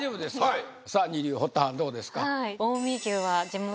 はいさあ二流堀田はんどうですか？